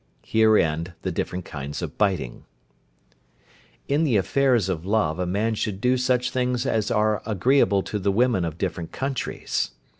Here end the different kinds of biting. In the affairs of love a man should do such things as are agreeable to the women of different countries.